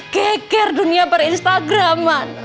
keker dunia per instagraman